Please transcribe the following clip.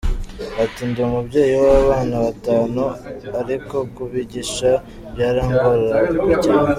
Ati “Ndi umubyeyi w’abana batanu, ariko kubigisha byarangoraga cyane.